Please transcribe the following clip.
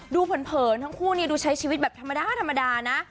เผินทั้งคู่นี่ดูใช้ชีวิตแบบธรรมดานะ